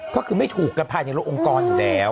ก็คือไม่ถูกกันภายในโรคองค์กรอย่างเดียว